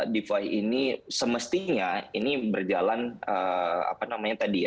defi ini semestinya ini berjalan apa namanya tadi ya